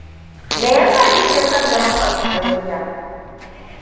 Meyasa ki ke son zaman Austaralia?